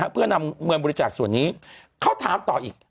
เพื่อนำเงินบริจาคส่วนนี้เขาถามต่ออีก